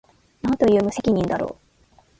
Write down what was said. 何という無責任だろう